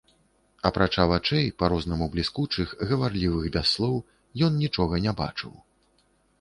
Апрача вачэй, па-рознаму бліскучых, гаварлівых без слоў, ён нічога не бачыў.